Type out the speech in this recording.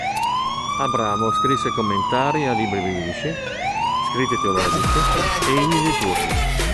Abramo scrisse commentari a libri biblici, scritti teologici e inni liturgici.